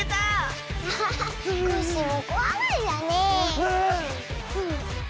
アハハコッシーもこわがりだね。